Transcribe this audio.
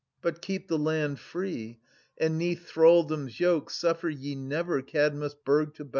But keep the land free, and 'neath thraldom's yoke Suffer ye never Kadmus* burg to bow.